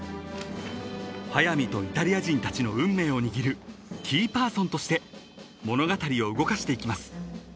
［速水とイタリア人たちの運命を握るキーパーソンとして物語を動かしていきます］